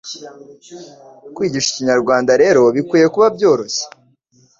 Kwigisha Ikinyarwanda rero bikwiye kuba byoroshye